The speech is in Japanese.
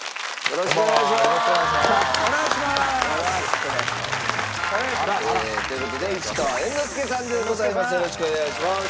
よろしくお願いします。